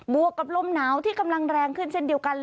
วกกับลมหนาวที่กำลังแรงขึ้นเช่นเดียวกัน